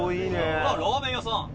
うわラーメン屋さん！